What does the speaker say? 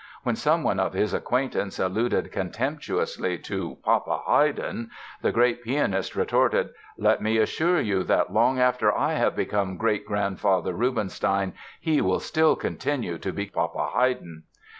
When someone of his acquaintance alluded contemptuously to "Papa Haydn" the great pianist retorted: "Let me assure you that long after I have become 'great grandfather Rubinstein' he will still continue to be 'Papa Haydn'."